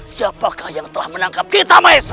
siapakah yang telah menangkap kita maest